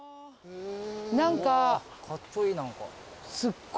何か。